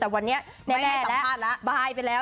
แต่วันนี้ไม่ให้ต่อผ้าแล้ว